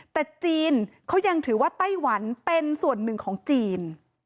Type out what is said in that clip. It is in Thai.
แต่จีนเขายังถือว่าไต้หวันเป็นส่วนหนึ่งของจีน